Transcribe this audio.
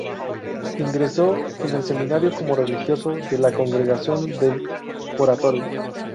Ingresó en el seminario como religioso de la Congregación del Oratorio.